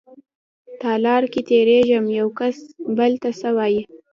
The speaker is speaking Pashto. تالار کې تېرېږم يوکس بل ته څه وايي.